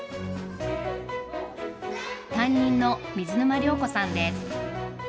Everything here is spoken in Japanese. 担任の水沼良子さんです。